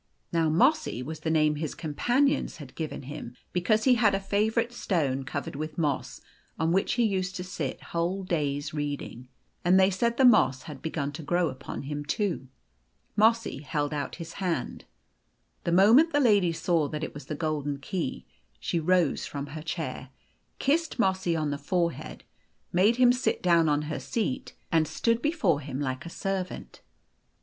" Now Mossy was the name his companions had given him, because he had a favourite stone covered with moss, on which he used to sit whole days reading ; and they said the moss had begun to grow upon him too. Mossy held out his hand. The moment the lady saw that it was the golden key, she rose from her 190 The Golden Key chair, kissed Mossy on the forehead, made him sit down on her seat, and stood before him like a servant.